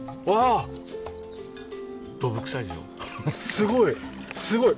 すごいすごい！